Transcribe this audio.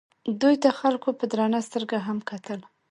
دوی ته خلکو په درنه سترګه هم کتل.